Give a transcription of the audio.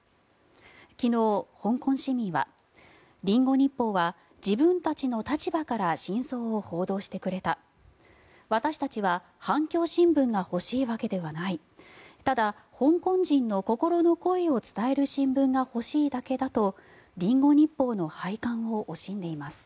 昨日、香港市民はリンゴ日報は自分たちの立場から真相を報道してくれた私たちは反共新聞が欲しいわけではないただ香港人の心の声を伝える新聞が欲しいだけだとリンゴ日報の廃刊を惜しんでいます。